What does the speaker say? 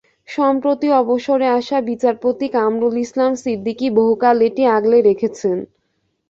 সম্প্রতি অবসরে আসা বিচারপতি কামরুল ইসলাম সিদ্দিকী বহুকাল এটি আগলে রেখেছেন।